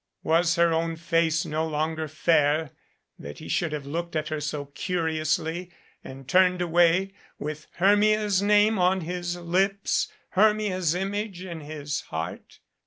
Was her own face no longer fair that he should have looked at her so curiously and turned away with Hermia's name on his lips, Hermia's image in his heart?